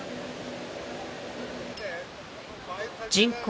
人口